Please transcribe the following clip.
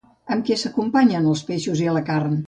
Amb què s'acompanyen els peixos i la carn?